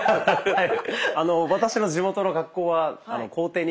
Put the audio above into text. はい。